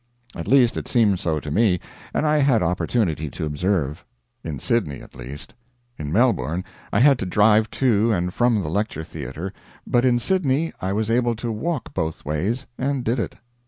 At least it seemed so to me, and I had opportunity to observe. In Sydney, at least. In Melbourne I had to drive to and from the lecture theater, but in Sydney I was able to walk both ways, and did it.